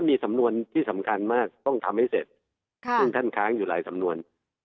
มีสำนวนที่สำคัญมากต้องทำให้เสร็จซึ่งท่านค้างอยู่หลายสำนวน